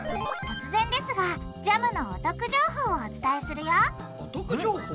突然ですがジャムのお得情報をお伝えするよお得情報？